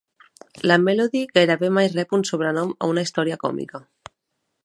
La Melody gairebé mai rep un sobrenom a una història còmica.